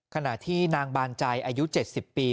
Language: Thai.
ขณะที่นางบานใจอายุ๗๐ปี